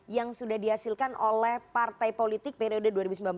yang sudah dihasilkan oleh partai politik periode dua ribu sembilan belas dua ribu dua